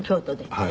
はい。